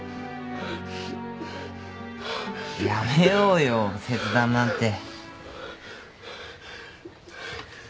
やめようよ切断なんて。